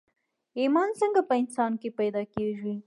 ايمان څنګه په انسان کې پيدا کېږي